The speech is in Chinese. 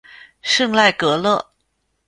圣赖格勒。